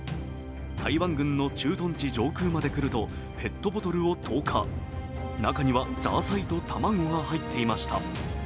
台湾軍の駐屯地上空まで来るとペットボトルを投下、中にはザーサイと卵が入っていました。